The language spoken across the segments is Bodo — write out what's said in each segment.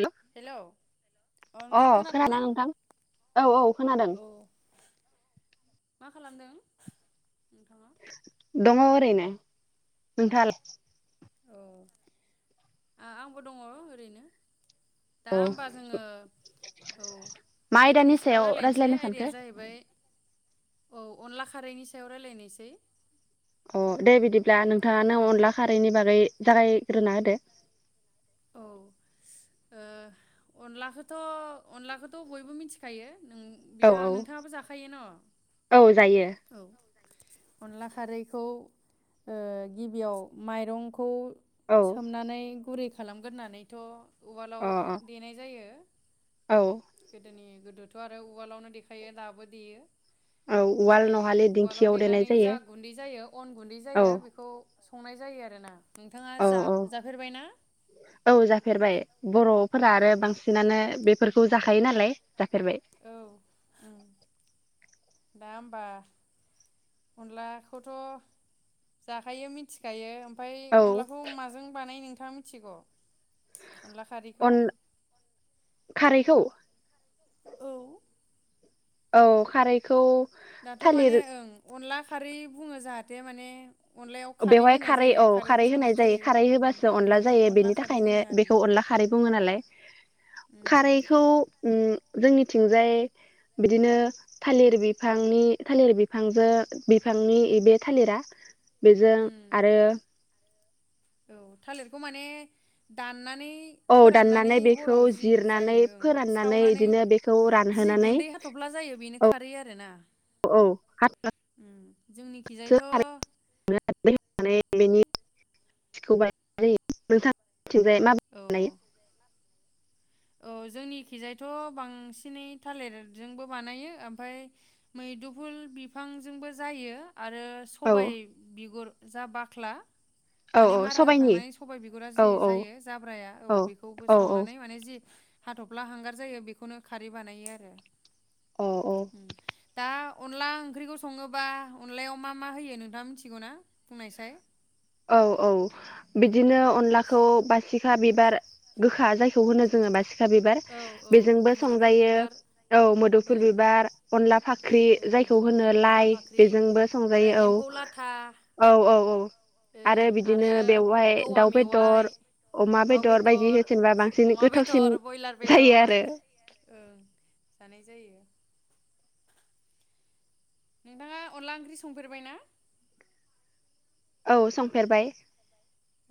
हेलौ अ खोनादों नोंथां औ औ खोनादों मा खालामदों? दङ' ओरैनो। नोंथाङालाय? औ आंबो दङ' ओरैनो। दा अ होमबा जोङो औ मा आयदानि सायाव रायज्लायनोसै रायज्लायनो आयदाया सानखो जाहैबाय औ अनला खारैनि सायाव रायज्लायनोसै। अ दे बिदिब्ला नोंथाङानो अनला खारैनि बागै जागायग्रोना होदो। औ उम अनलाखोथ' अनलाखोथ' बयबो मिथिखायो नों औ बिथां औ नोंथाङाबो जाखायो न'? औ जायो औ अनला खारैखौ ओ गिबियाव माइरंखौ औ सोमनानै गुरै खालामगोरोनानैथ' उवालाव अ अ देनाय जायो। औ गोदोनि गोदोथ' आरो उवालावनो देखायो दाबो देयो। औ उवाल ओमफाय नहालि उवालाव दिंखियाव देनाय देनानै जायो जा गुन्दै जायो अन गुन्दै औ जायो बेखौ संनाय जायो आरोना। नोंथाङा औ औ जा-जाफेरबाय ना? फोरा आरो बांसिनानो बेफोरखौ जाखायो नालाय। जाफेरबाय। औ ओं दा होमबा अनलाखौथ' जाखायो मिथिखायो। ओमफाय औ अनलाखौ माजों बानायो नों थां मिथिग' अन खारैखौ औ औ खारैखौ दाथ' थालिर माने ओं अनलाख खारै बुङो जाहाथे माने अनलायाव बेवहाय होनाय खारै जायो औ खारै खारैजों होनाय संनाय जायो खारै होबासो उम अनला ओंखायनो जायो अनला बेनि खारै थाखायनो होनो बेखौ आरोना अनला खारै बुङो नालाय उम खारैखौ उम जोंनिथिंजाय बिदिनो थालिर बिफांनि थालिर बिफांजों बिफांनि बे थालिरा बेजों उम आरो औ थालिरखौ माने दान नानै औ फोराननानै दाननानै बेखौ हराव जि जिरनानै जायो ओं फोराननानै सावनानै इदिनो बेखौ जि रानहोनानै गुन्दै हाथब्ला जायो बेनो खारै आरोना। औ जोंनिखिजायथ' [unintelligible] खौ बानायनाय जायो नोंथां। थिंजाय माबोरै औ बानायो? औ जोंनि खिजायथ' बांसिनै थालिरजोंबो बानायो ओमफाय मैदुफुल बिफांजोंबो जायो। आरो औ सबाय बिगुर जा बाख्ला औ माने औ मारा सबाइनि होखांनानै सबाइ बिगुरा औ जि औ जायो जाब्राया औ बेखौबो औ सावनानै माने जि हाथब्ला हांगार जायो बेखौनो खारै बानायो आरो औ औ उम दा अनला ओंख्रिखौ सङोबा अनलायाव मा मा होयो नोंथाङा मिथिगौ ना बुंनायसाय औ औ बिदिनो अनलाखौ बासिखा बिबार गोखा जायखौ होनो जोङो बासिखा फिसा बिबार औ औ बेजोंबो मुदुफुल संजायो बिबार औ मोदुफुल ओं बिबार अनला फाखा ओंख्रि ओं जायखौ होनो अनला लाइ फाख्रि बेजोंबो आरो संजायो एम्फौ लाथा औ औ औ औ आरो बिदिनो बेवहाय औवा दावउ मेवाइ बेदर अमा बेदर बायदि होथनबा बांसिन अमा गोथावसिन बेदर बयलार जायो बेदर आरो ओं जानाय जायो नोंथाङा अनला ओंख्रि संफेरबाय ना औ संफेरबाय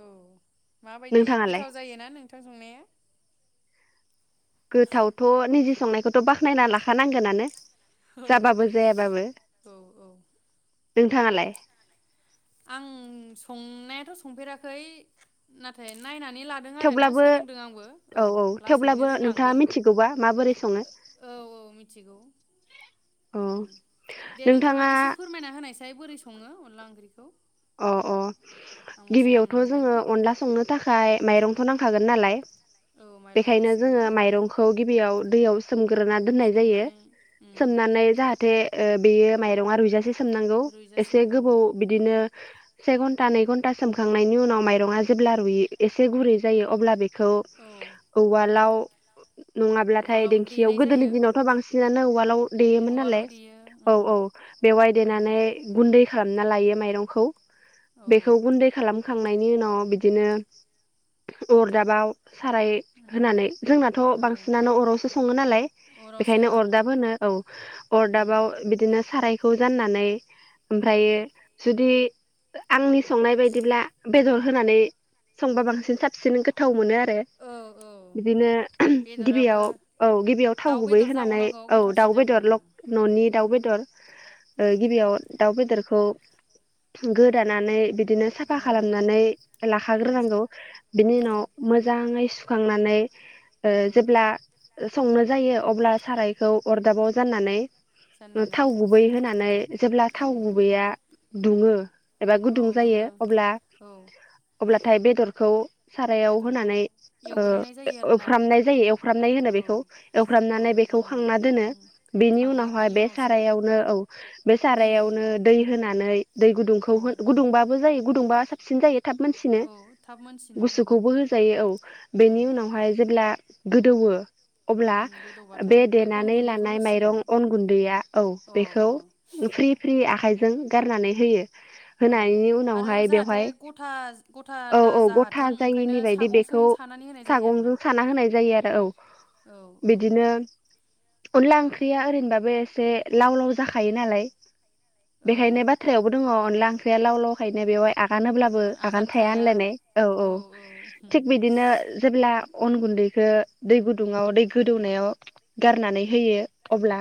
औ माबायदि नोंथाङालाय गोथाव जायोना नोंथां संनाया गोथावथ' निजे संनायखौथ' बाखनायना लाखानांगोनानो औ जाबाबो जायाबाबो औ नोंथाङालाय आं संनायाथ' संफेराखै नाथाय नायनानै नानै लादों आरोना थेवब्लाबो सोलोंदों आंबो औ थेवब्लाबो लासैनो नोंथाङा रोंलांगोन मिथिगौबा माबोरै सङो औ औ मिथिगौ औ उम नोंथाङा ओमाय बोरै सो अनला ओंख्रिखौ अ अ आंबो गिबियावथ' सोलोंनानै जोङो लानि अनला संनो थाखाय माइरं दाथ' नांखागोन नालाय औ माइरं बेखायनो नांसिगोन जोङो माइरंखौ गिबियाव दैयाव गोराना दोननाय जायो सोमनानै उम सोमनानै जाहाथे ओ बेयो माइरंआ रुइजासे सोमनांगौ रुइजासे एसे औ गोबाव बिदिनो से घन्टा नै घन्टा सोमखांनायनि उनाव माइरंआ जेब्ला रुय एसे गुरै जायो अब्ला बे खौ औ उवालाव नङाब्लाथाय उवालाव दिेंखियाव देनाय गोदोनि जायो दिनावथ' बांसिनानो वालाव देयोमोन उवालाव नालाय देयो औ उम औ बेवहाय उम देनानै गुन्दै खालामना लायो माइरं खौ औ बेखौ गुन्दै खालामखां थांनायनि उनाव बिदिनो अरदाबाव साराय उम होनानै जोंनाथ' औ बांसिनानो अरावसो संङो नालाय अरावसो बेखायनो ओं अरदाब होनो औ उम अरदाबाव बिदिनो सारायखौ जाननानै। न औ ओमफ्रायो। आंनि संनाय बायदिब्ला बेदर होनानै संबा बांसिन साबसिन गोथाव मोनो आरो। औ औ बिदिनो बेदराबो गिबियाव औ गिबियाव थाव दाउ गुबै बेदर होनानै जाबावनांगौ औ गोथावसिन दाउ जाबाय बेदर आरो न'नि उम दाउ बेदर उम गिबियाव दाउ बेदरखौ गोदानानै बिदि बिदिनो साफा गोदानानै खालामनानै ओं लाखाग्रोनांगौ बिनि औ उनाव मोजांङै। सुखांनानै ओ औ जेब्ला। संनो जायो अब्ला सारायखौ अरदाबाव जाननानै जाननानै थाव गुबै होनानै जेब्ला थाव गुबै होनानै गुबैया दुंङो। एबा औ गुदुं जायो दुङो अब्ला औ अब्ला। नाथाय बेदरखौ सारायाव बेदरखौ होनानै एवग्रोनाय जायो आरोना एवफ्रामनाय जायो एवफ्रामनाय होनो बेखौ औ औ एवफ्रामनानै बेखौ एवफ्रामनाय खांना दोनो उम बेनि खाङो उनावहाय बिनि बे उनावसो सारायावनो औ बे दै सारायावनो होयो दै नानै। दै गुदुंखौ औ गुदुंबा जायो। गुुंदुंबा साबसिन जायो। थाब मोनसिनो औ थाब मोनसिनो उम गुसुखौबो होजायो औ औ बेनि उनावहाय जेब्ला गोदौवो। अब्ला उम बे गोदौबाथाय अन देनानै गुन्दैखौ लानाय होसिगोन माइरं अन गुन्दैया औ अ बेखौ अ फ्रि फ्रि आखाइजों जों गारनानै होयो। औ होनायनि आरो उनावहाय जाहाथे बेवहाय गथा गथा औ दा औ गथा जाहाथों ओंखायनो जायिनि बायदि सागंजों बेखौ सानानै होनाय जायो आरोना सागंजों साना होनाय जायो आरो औ औ औ बिदिनो। अनला ओंख्रिया ओरैनोबाबो एसे लाव लाव जाखायो नालाय। औ बेखायनो ओं बाथ्रायावबो दंङ अनला ओंख्रिया लाव लावखायनो बेवहाय आगानोब्लाबो आगान थाया होनलायनाय औ औ थिग बिदिनो जेब्ला अन गुन्दैखौ दै गुदुङाव दै गोदौनायाव गारनानै होयो अब्ला।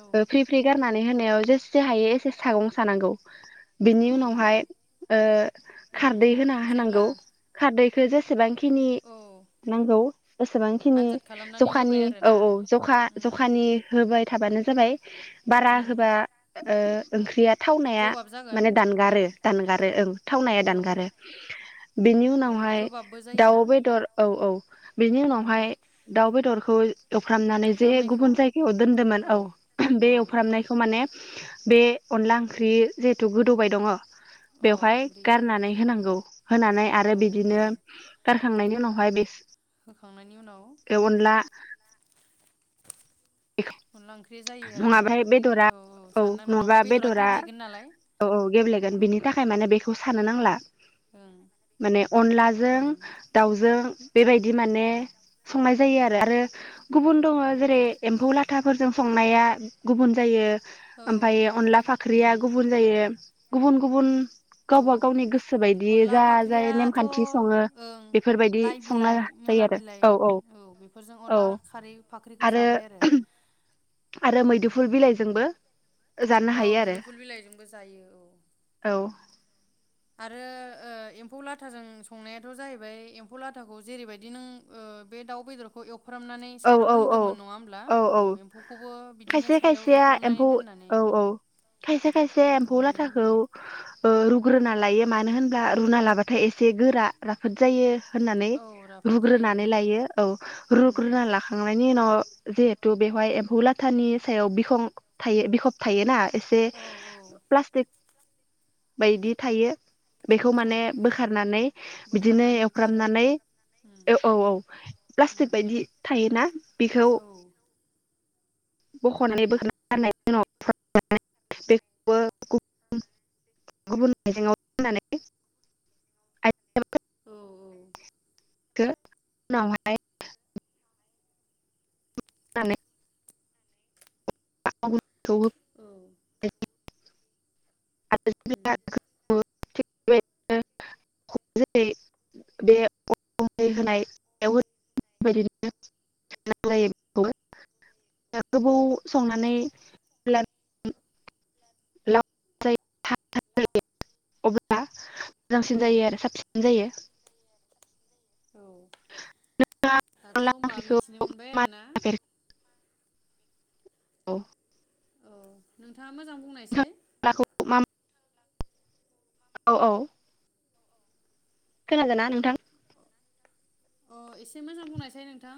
औ फ्रि फ्रि गारना। होनायाव जेसे हायो। एसे सागं सानांगौ। बेनि औ औ उनावहाय ओं खारदै होना जेब्ला होनांगौ खारदै। बे जेसेबां औ [unintelligible] नांगौ एसेबांखिनि आनजाद खालामनानै होबाय जखानि औ आरोना औ उम जखा-जखानि होबाय थाबानो जाबाय बारा उम होबा ओ ओंख्रिया थावनाया गोबाब जागोन माने ओं दानगारो-दानगारो ओं थावनाया औ दानगारो बेनि आरो उनावहाय गोबाबबो जायोना दाउ बेदर औ औ बेनि उम उनावहाय दाउ बेदरखौ एवफ्रामनानै जे एवफ्रामनायखौ गुबुन जायगायाव दोन्दोमोन औ बे एवफ्रामनायखौ माने बे अनला ओंख्रि जिहेथु गोदौबाय दङ अ बेवहाय दैयाव गारनानै होनांगौ होनानै औ आरो औ बिदिनो गारखांनायनि उनावहाय बिस होखांनायनि उनाव [inaudible] ख्रि जायो आरो ना नङाबाहाय बेदरा औ औ सान नांला नङाबा बेदरा गेब्लेगोन नालाय गोन बिनि थाखाय माने बेखौ सानो नांला ओं माने अनलाजों उम दाउजों बेबायदि माने संनाय जायो आरो-आरो गुबुन दङ जेरै एम्फौ लाथाफोरजों संनाया गुबुन जायो औ ओमफाय अनला फाख्रिया ओं गुबुन जायो गुबुन गुबुन औ गावबा गावनि गोसो बायदि अनला जा जाय फाख्रियाथ' नेमखान्थि सङो ओं बेफोरबायदि लाइ संना बिलाइ मुला जायो आरो बिलाइ औ औ बेफोरजों औ अनला खारै फाख्रिखौ आरो जाबाय आरो उम मैदुफुल बिलाइजों बो औ मुदुफुल बिलाइजोंबो जायो औ औ आरो ओ एम्फौ लाथाजों संनायाथ' जाहैबाय एम्फौ लाथाखौ जेरैबायदि नों ओ बे दाउ बेदरखौ एव फ्रामनानै औ साइडआव औ औ दोन्दोंमोन नङा होमब्ला औ एम्फौखौबो बिदिनो खायसे साइडआव खायसेया एवफ्रामनानै एम्फौ दोननानै औ ओं औ खायसे खायसे लखबनानै होयो ग्रोना लायो मानो होनब्ला रुना लाबाथाय एसे गोरा राफोद जायो होननानै औ राफोद जायो रुग्रोनानै लायो औ रु उम लाखांनायनि उनाव जिहेथु बेवहाय एम्फौ लाथानि सायाव बिखं थायो बिखब थायोना इसे औ औ प्लास्टिक बायदि थायो बेखौ माने औ बोखारनानै बिदिनो बोखारनानै गारो एवफ्रामनानै उम औ औ औ उम प्लास्टिक बायदि थायोना बिखौ औ बख'नानै उम बोखानानै गारनायनि उनाव [unintelligible] [unintelligible] औ औ [unintelligible] [unintelligible] औ [unintelligible] [unintelligible] उम [unintelligible] [unintelligible] [unintelligible] अब्ला औ मोजांसिन जायो आरो साबसिन जायो। औ दाथ' अनला होनबा ओंख्रिखौ मिथिनो मोनबाय आरोना औ अ नोंथाङा मोजां बुंनायसाय [unintelligible] औ औ खोनादोंना नोंथां? अ एसे मोजां बुंनायसाय नोंथां।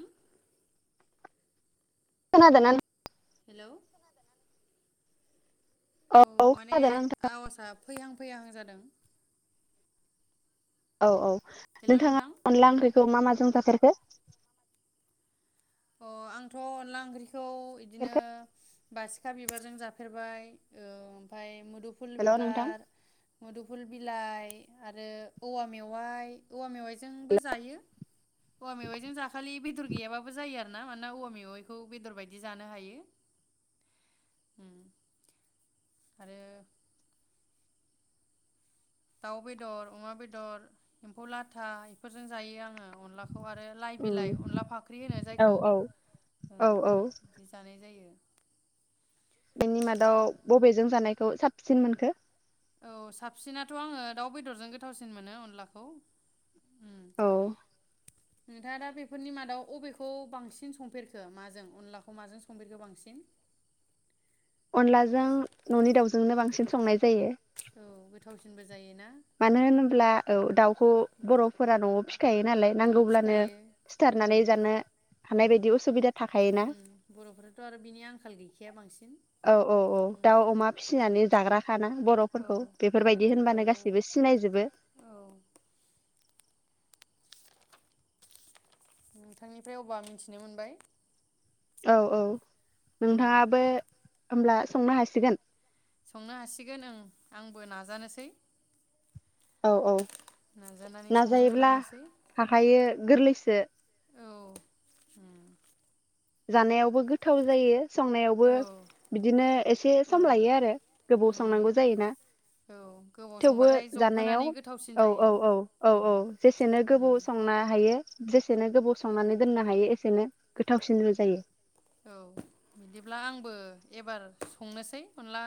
खोनादोना [unintelligible] हेलौ औ माने आवाजआ फैहां फैहां जादों औ औ हेलौ नोंथांआ नोंथां अनला ओंख्रै खौ मा माजों जाफेरखो अ आंथ' अनला ओंख्रि खौ इदिनो बासिखा बिबारजों जाफेरबाय ओमफ्राय मुदुफुल हेल' नोंथां बिबार मुदुफुल बिलाइ आरो औवा मेवाइ औवा मेवाइजोंबो जायो। औवा मेवायजों जाखालि बे दर गैयाबाबो जायो आ ना मानोना औवा मेवाइखौ बेदर बायदि जानो हायो। ओम आरो दाउ बेदर अमा बेदर एम्फौ लाथा बेफोरजों जायो आङो अनलाखौ आरो लाइ बिलाइ उम अनला फाख्रि होनो औ जायखौ ओं औ [unintelligible] जानाय जायो बेनि मादाव बबेजों जानायखौ साबसिन मोनखो औ साबसिनाथ' आङो दाउ बेदरजों गोथावसिन मोनो अनलाखौ उम औ नोंथाङा दा बेफोरनि मादाव अबेखौ बांसिन संफेरखो माजों अनलाखौ माजों संफेरखो बांसिन? अनलाजों न'नि दाउजोंनो बांसिन स संनाय जायो औ गोथावसिनबो ज मानो होनोब्ला औ दाउखौ बर'फोरा न'आव फिखायो नालाय न'आव नांगौब्लानो फिखायो ओं सिथारनानै जानो औ हानाय बायदि असुबिदा थाखायोना उम बर'फोराथ' आरो बिनि आंखाल गैखाया बांसिन औ औ औ उम दाउ अमा फिसिनानै जाग्राखाना बर' औ फोरखौ बेफोरबायदि होनबानो गोदोनिफ्रायनो गासि सिबो सिनायजोबो औ नोंथांनिफ्राय अबा मिनथिनो मोनबाय औ औ उम नोंथाङाबो होमब्ला संनो हासिगोन? संनो हासिगोन ओं आंबो नाजानोसै औ औ नाजानानै संहो नाजायोब्ला होलांनोसै हाखायो गोरलैसो औ उम जानायावबो गोथाव जायो संनायावबो औ बिदिनो एसे औ सम लायो आरो गोबाव उम संनांगौ जायोना औ गोबाव थेवबो संबाथाय जबहोनानै जानायाव गोथावसिन औ औ जायो औ औ उम औ जेसेनो गोबौ उम संनो हायो जेसेनो गोबाव संनानै दोननो हायो एसेनो गोथावसिन [unintelligible] जायो औ बिदिब्ला आंबो एबार संनोसै अनला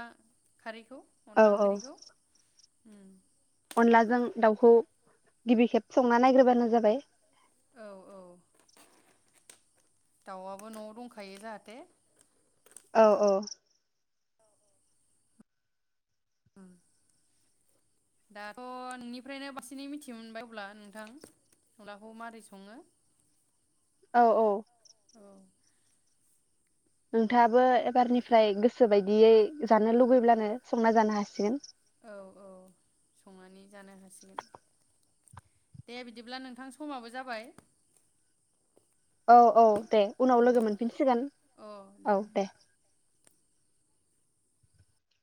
खारैखौ औ अनला औ ओंख्रिखौ उम अनलाजों दाउखौ गिबि खेब संना नायग्रोबानो जाबाय औ औ दाउआबो न'आव दंखायो जाहाथे औ औ उम दाथ' नोंनिफ्रायनो बांसिनै मिथिनो मोनबाय अब्ला नोंथां अनलाखौ मारै सङो औ -औ औ नोंथाङाबो एबारनिफ्राय गोसो बायदियै जानो लुबैब्लानो संना जानो हासिगोन औ औ संनानै जानो हासिगोन दे बिदिब्ला नोंथां समाबो जाबाय औ औ दे औ उनाव लोगो मोनफिनसिगोन औ दे